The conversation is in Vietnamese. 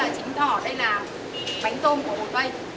chính thỏ đây là bánh tôm của hồ tây